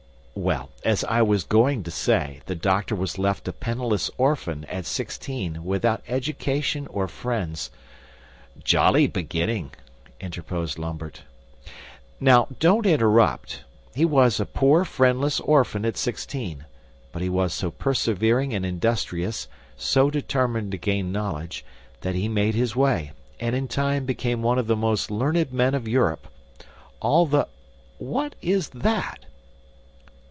"Well, as I was going to say, the doctor was left a penniless orphan at sixteen without education or friends " "Jolly beginning!" interposed Lambert. "Now, don't interrupt. He was a poor friendless orphan at sixteen, but he was so persevering and industrious, so determined to gain knowledge, that he made his way, and in time became one of the most learned men of Europe. All the what is that?"